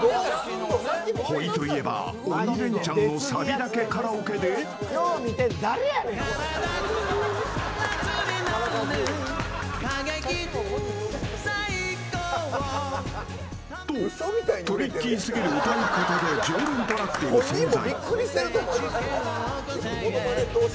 ほいといえば「鬼レンチャン」のサビだけカラオケで。と、トリッキーすぎる歌い方で常連となっている存在。